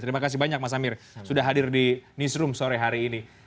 terima kasih banyak mas amir sudah hadir di newsroom sore hari ini